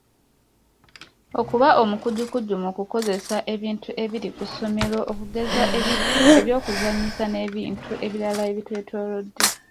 Okuba omukujjukujju mu kukozesa ebintu ebiri ku ssomero okugeza ebyokuzannyisa n’ebintu ebirala ebimwetoolodde.